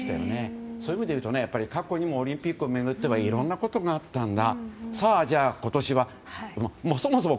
そういう意味でいうと過去にもオリンピックを巡っていろんなことがあったんだ。